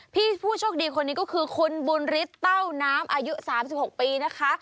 ผู้โชคดีคนนี้ก็คือคุณบุญฤทธิเต้าน้ำอายุ๓๖ปีนะคะ